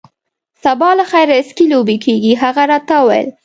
سبا له خیره سکی لوبې کیږي. هغه راته وویل.